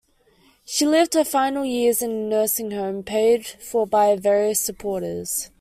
She lived her final years in a nursing home paid for by various supporters.